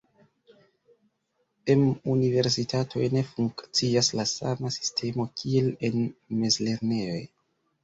Em universitatoj ne funkcias la sama sistemo kiel en mezlernejoj.